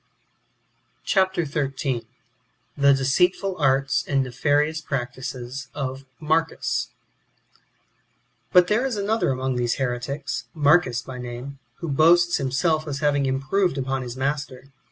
Chap. xiii. — The deceitful arts and nefaonous j^ractices of Marcus, 1. But^ there is another among these heretics, Marcus by name, who boasts of himself as having improved upon his master.